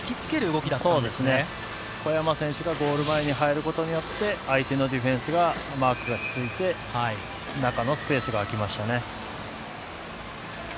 小山選手がゴール前に入ることによって、相手のディフェンスがマークがついて、中のスペースがあきましたね。